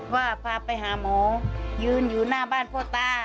ว่าพาไปหาหมอยืนอยู่หน้าบ้านพ่อตา